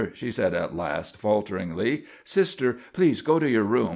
she said at last falteringly. "Sister, please go to your room.